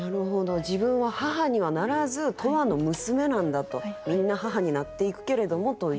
自分は母にはならず「永久の娘」なんだと。みんな母になっていくけれどもという。